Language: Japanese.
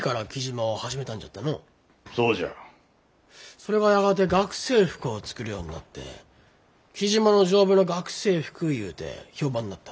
それがやがて学生服を作るようになって雉真の丈夫な学生服いうて評判になった。